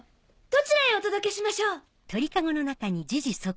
どちらへお届けしましょう？